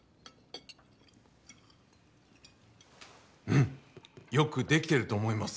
うんよく出来てると思います。